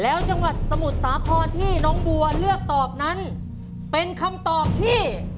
แล้วจังหวัดสมุทรสาครที่น้องบัวเลือกตอบนั้นเป็นคำตอบที่